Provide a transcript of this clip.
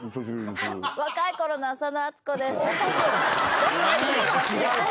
若いころの浅野温子です。